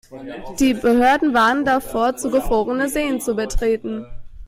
Die Behörden warnen davor, zugefrorene Seen zu betreten.